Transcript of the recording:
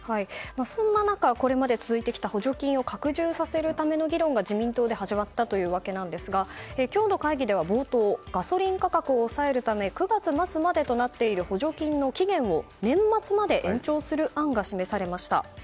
そんな中、これまで続いてきた補助金を拡充するための自民党で始まったというわけですが今日の会議では冒頭、ガソリン価格を抑えるため９月末までとなっている補助金の期限を年末まで延長する案が示されました。